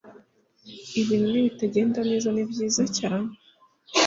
ibintu nibitagenda neza nibyiza cyane